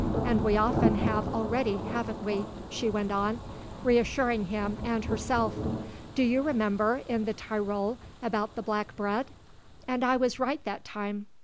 And we often have already, haven't we," she went on, reassuring him, and herself. "Do you remember, in the Tyrol, about the black bread! And I was right that time.